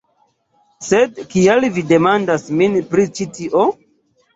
Sed kial vi demandas min pri ĉi tio?